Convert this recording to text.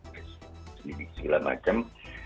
jadi di segala macam